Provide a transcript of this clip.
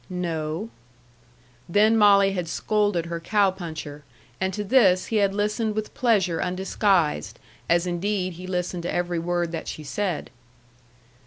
"No." Then Molly had scolded her cow puncher, and to this he had listened with pleasure undisguised, as indeed he listened to every word that she said.